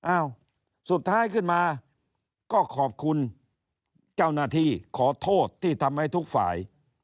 อ้าวสุดท้ายขึ้นมาก็ขอบคุณเจ้าหน้าที่ขอโทษที่ทำให้ทุกฝ่าย